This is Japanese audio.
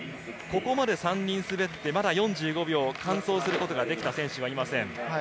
ここまで３人滑って、まだ４５秒完走することができた選手はいません。